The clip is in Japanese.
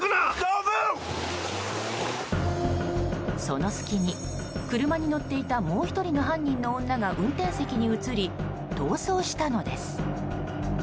その隙に、車に乗っていたもう１人の犯人の女が運転席に移り、逃走したのです。